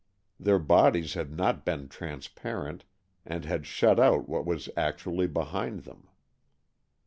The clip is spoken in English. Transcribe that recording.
Their bodies had not been transparent and had shut out what was actually behind them.